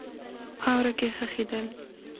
په خاوره کښې خښېدل